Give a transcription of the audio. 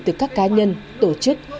từ các cá nhân tổ chức